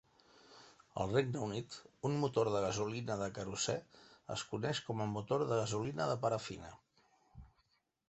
Al Regne Unit, un motor de gasolina de querosè es coneix com a motor de gasolina de parafina.